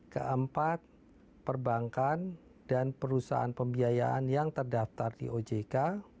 keempat perbankan dan perusahaan pembiayaan yang terdaftar di ojk